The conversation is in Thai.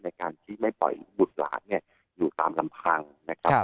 ในการที่ไม่ปล่อยบุตรหลานเนี่ยอยู่ตามลำพังนะครับ